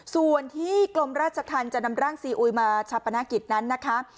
ส่วนที่กรมราชธรรมจะนำร่างซีอุยมาชาปนกิจนั้นนะคะ